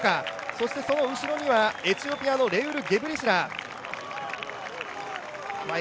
そしてその後ろにはエチオピアのゲブレシラセ。